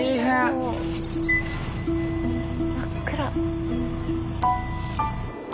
真っ暗。